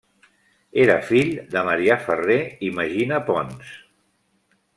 Era fill de Marià Ferrer i Magina Pons.